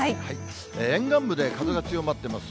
沿岸部で風が強まってます。